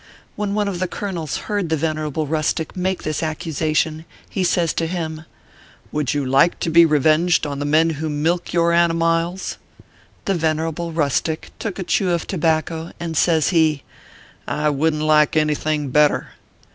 When one of the colonels heard the ven erable rustic make this accusation, he says to him :" Would you like to be revenged on the men who milk your animiles ?" The venerable rustic took a chew of tobacco, and says he : "I wouldn t like any thing better."